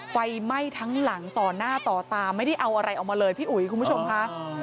ไฟไหม้ทั้งหลังต่อหน้าต่อตาไม่ได้เอาอะไรออกมาเลยพี่อุ๋ยคุณผู้ชมค่ะ